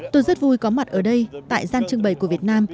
tôi rất vui có mặt ở đây tại gian trưng bày của việt nam